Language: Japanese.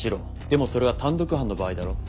でもそれは単独犯の場合だろ？